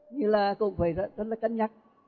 nhưng là cũng phải rất là cân nhắc